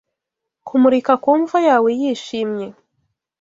Kumurika ku mva yawe yishimye